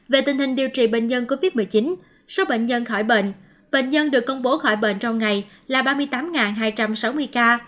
về tình hình điều trị bệnh nhân covid một mươi chín số bệnh nhân khỏi bệnh bệnh nhân được công bố khỏi bệnh trong ngày là ba mươi tám hai trăm sáu mươi ca